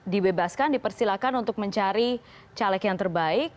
dibebaskan dipersilakan untuk mencari caleg yang terbaik